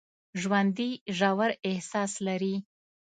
ژوندي ژور احساس لري